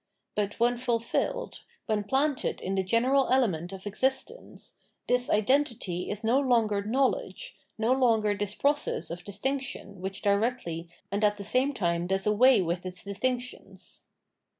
But when fulfilled, when planted in the general element of existence, this identity is no longer knowledge, no longer this process of dis tinction which directly and at the same time does away with its distinctions.